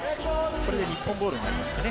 これで日本ボールになりますね。